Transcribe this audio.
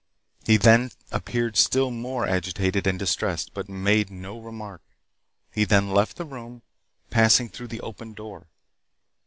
He then appeared still more agitated and distressed, but made no remark. He then left the room, passing through the open door.